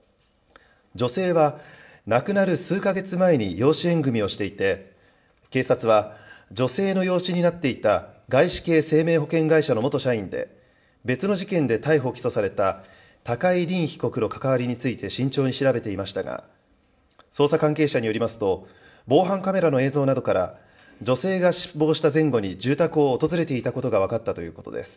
女性は亡くなる数か月前に養子縁組みをしていて、警察は、女性の養子になっていた外資系生命保険会社の元社員で、別の事件で逮捕・起訴された、高井凜被告の関わりについて慎重に調べていましたが、捜査関係者によりますと、防犯カメラの映像などから、女性が死亡した前後に住宅を訪れていたことが分かったということです。